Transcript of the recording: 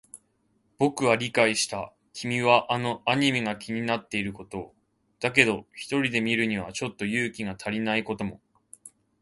僕は理解した。君はあのアニメが気になっていることを。だけど、一人で見るにはちょっと勇気が足りないことも。